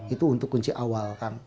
itu untuk kunci awal kang